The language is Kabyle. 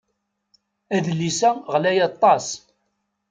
Adlis-a ɣlay aṭas.